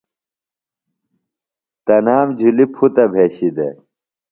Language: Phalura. تنام جُھلیۡ پُھتہ بھشیۡ دےۡ۔